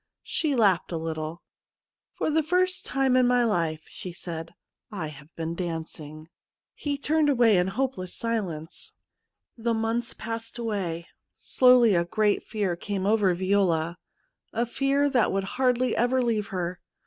She laughed a little. ' For the first time in my life/ she said, ' I have been dancing.' He turned away in hopeless silence. /r The months passed away. Slowly a great fear caiTie over Viola, a fear that would hardly ever leave her.